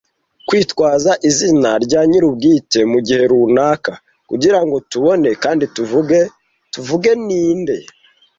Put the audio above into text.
Kwitwaza izina rya nyirubwite mugihe runaka, kugirango tubone kandi tuvuge, tuvuge Ninde?